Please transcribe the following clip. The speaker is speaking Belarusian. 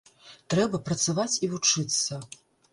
Трэба працаваць і вучыцца!